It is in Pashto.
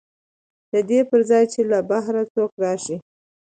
د دې پر ځای چې له بهر څوک راشي